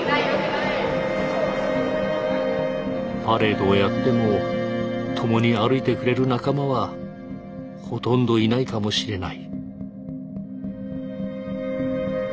パレードをやっても共に歩いてくれる仲間はほとんどいないかもしれない。